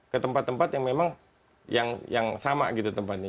ke tempat tempat yang memang yang sama gitu tempatnya